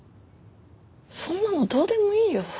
そんなのどうでもいいよ。